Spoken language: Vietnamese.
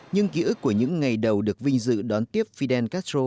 nhưng ký ức của những ngày đầu được vinh dự đón tiếp fidel castro